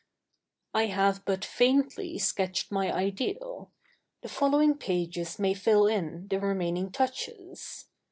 I have but faintly sketched my ideal. The following pages may fill in the remaining touches.